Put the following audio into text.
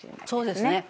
そうですね。